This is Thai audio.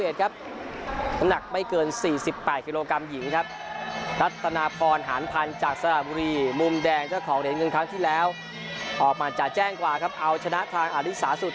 ทีมหญิงครับนานรองแชมป์เก่าสองสมัย